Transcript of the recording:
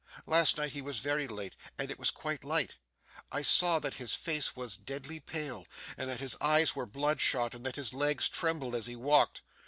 Last night he was very late, and it was quite light. I saw that his face was deadly pale, that his eyes were bloodshot, and that his legs trembled as he walked.